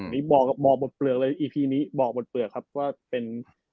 มีบอกหมดเปลือกเลยอีพีนี้บอกหมดเปลือกครับว่าเป็น